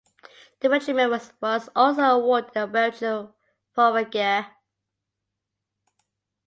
The regiment was also awarded the Belgian Fourragere.